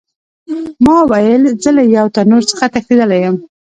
ما ویل زه له یو تنور څخه تښتېدلی یم.